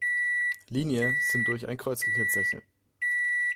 Linie sind durch ein Kreuz gekennzeichnet.